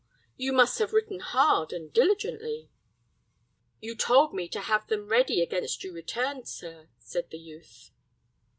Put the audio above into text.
You must have written hard, and diligently." "You told me to have them ready against you returned, sir," said the youth.